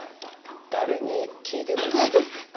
誰に聞いてるんですか？